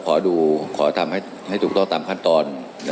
ขอดูขอทำให้ถูกต้องตามขั้นตอน